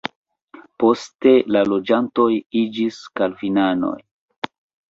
Poste la loĝantoj iĝis kalvinanoj.